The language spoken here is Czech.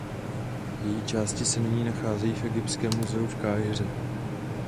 Její části se nyní nacházejí v Egyptském muzeu v Káhiře.